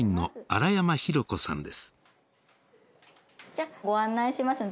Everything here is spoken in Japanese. じゃあご案内しますね。